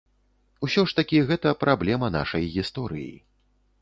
Усё ж такі гэта праблема нашай гісторыі.